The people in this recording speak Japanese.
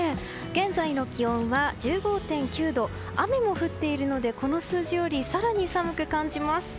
現在の気温は１５．９度雨も降っているのでこの数字より更に寒く感じます。